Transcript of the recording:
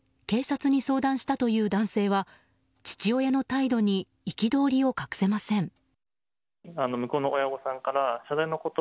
警察に相談したという男性は父親の態度に憤りを隠せません。